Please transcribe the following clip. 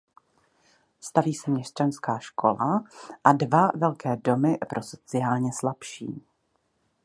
Staví se měšťanská škola a dva velké domy pro sociálně slabší.